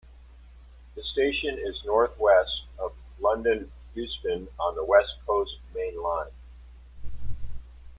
The station is north west of London Euston on the West Coast Main Line.